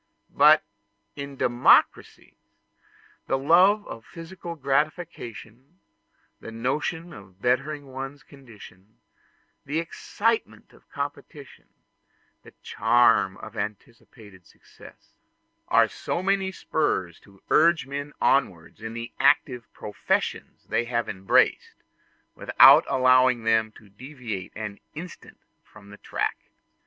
But in democracies the love of physical gratification, the notion of bettering one's condition, the excitement of competition, the charm of anticipated success, are so many spurs to urge men onwards in the active professions they have embraced, without allowing them to deviate for an instant from the track.